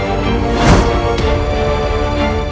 ibu dahat tolong aku